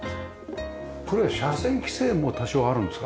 これ斜線規制も多少はあるんですか？